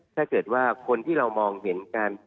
ถ้าเกิดว่าคนที่เรามองเห็นการ